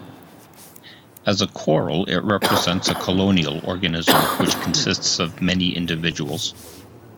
As a coral, it represents a colonial organism, which consists of many individuals.